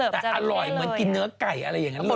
แต่อร่อยเหมือนกินเนื้อไก่อะไรอย่างนั้นเลย